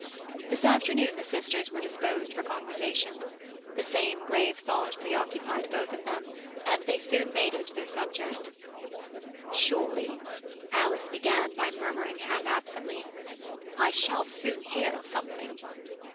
This afternoon the sisters were disposed for conversation. The same grave thought preoccupied both of them, and they soon made it their subject. "Surely," Alice began by murmuring, half absently, "I shall soon hear of something."